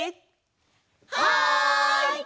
はい！